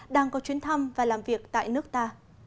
đang có chuyến thăm và làm việc tại nước ta